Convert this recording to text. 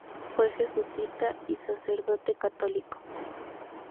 Fue jesuita y sacerdote católico.